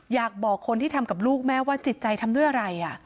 อยากบอกคนที่ทำกับลูกแม่ว่าจิตใจทำด้วยอะไร